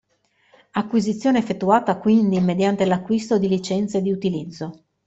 Acquisizione effettuata quindi mediante l'acquisto di licenze di utilizzo.